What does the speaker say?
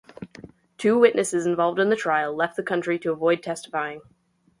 Two witnesses involved in the trial left the country to avoid testifying.